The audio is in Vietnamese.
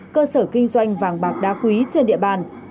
cơ sở kinh doanh vàng bạc đá quý trên địa bàn